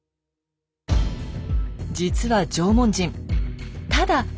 実は縄文人ただ